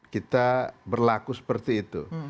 kita berlaku seperti itu